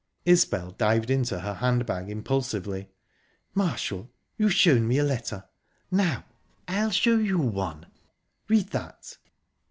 Isbel dived into her hand bag impulsively. "Marshall, you've shown me a letter; now I'll show you one...Read that."